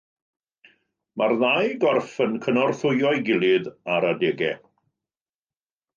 Mae'r ddau gorff yn cynorthwyo ei gilydd ar adegau.